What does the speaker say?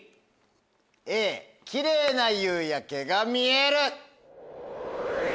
きれいな夕焼けが見える。